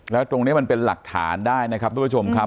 แล้วตรงนี้มันเป็นหลักฐานได้นะครับทุกผู้ชมครับ